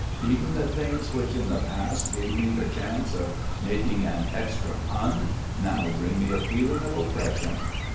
Even the things which in the past gave me the chance of making an extra pun, now bring me a feeling of oppression.